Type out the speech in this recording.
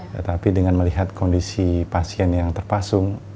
tetapi dengan melihat kondisi pasien yang terpasung